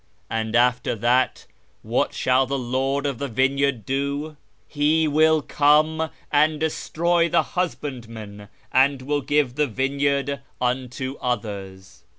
And after that what shall the Lord of the vineyard do ? 'He will come and destroy the husbandmen, and will give the vineyard unto others.'"